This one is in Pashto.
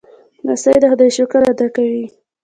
لمسی د خدای شکر ادا کوي.